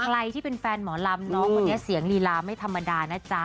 ใครที่เป็นแฟนหมอลำน้องคนนี้เสียงลีลาไม่ธรรมดานะจ๊ะ